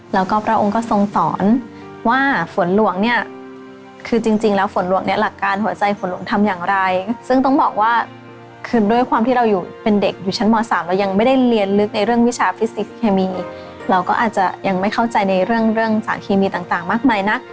แล้วก็พระองค์ก็ทรงสอนว่าฝนหลวงเนี่ยคือจริงแล้วฝนหลวงเนี่ยหลักการหัวใจฝนหลวงทำอย่างไรซึ่งต้องบอกว่าคือด้วยความที่เราอยู่เป็นเด็กอยู่ชั้นม๓เรายังไม่ได้เรียนลึกในเรื่องวิชาฟิสิกสเคมีเราก็อาจจะยังไม่เข้าใจในเรื่องเรื่องสารเคมีต่างมากมายนัก